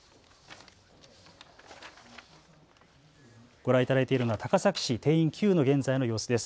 ご覧いただいているのは高崎市定員９の現在の様子です。